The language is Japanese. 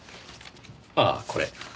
ああこれ。